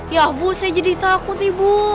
ya bu saya jadi takut ibu